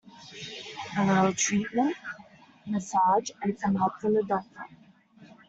A little treatment, massage, with some help from the doctor.